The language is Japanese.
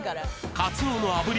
カツオの炙り